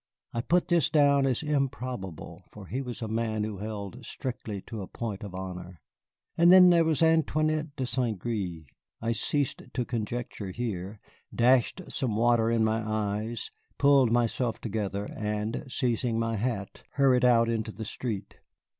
I put this down as improbable, for he was a man who held strictly to a point of honor. And then there was Antoinette de St. Gré! I ceased to conjecture here, dashed some water in my eyes, pulled myself together, and, seizing my hat, hurried out into the street.